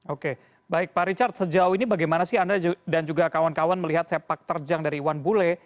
oke baik pak richard sejauh ini bagaimana sih anda dan juga kawan kawan melihat sepak terjang dari iwan bule